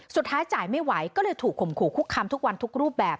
จ่ายไม่ไหวก็เลยถูกข่มขู่คุกคำทุกวันทุกรูปแบบ